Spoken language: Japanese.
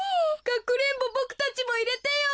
かくれんぼボクたちもいれてよ。